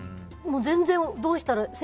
全然、どうしたら。